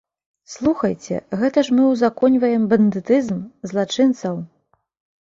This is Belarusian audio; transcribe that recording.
Слухайце, гэта ж мы ўзаконьваем бандытызм, злачынцаў!